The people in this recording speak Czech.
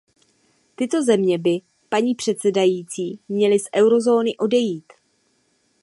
Tyto země by, paní předsedající, měly z eurozóny odejít.